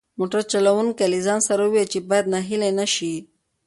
موټر چلونکي له ځان سره وویل چې باید ناهیلی نشي.